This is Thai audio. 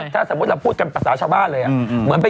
ถ้าสมมุติเราพูดกันปรสาชาวบ้านเลยอ่ะเหมือนไป